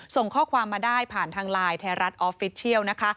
ส่งข้อความมาได้ผ่านทางไลน์ไทยรัฐออฟฟิเชียลนะคะ